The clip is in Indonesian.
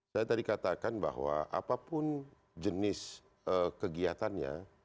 saya tadi katakan bahwa apapun jenis kegiatannya